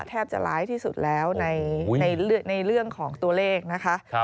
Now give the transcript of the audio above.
แทบจะร้ายที่สุดแล้วในเรื่องของตัวเลขนะคะ